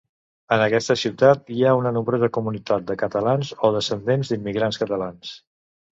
En aquesta ciutat hi ha una nombrosa comunitat de catalans o descendents d'immigrants catalans.